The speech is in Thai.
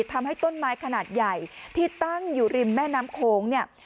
ทำให้ต้นไม้ขนาดใหญ่ที่ตั้งอยู่ริมแม่น้ำโขงเนี่ย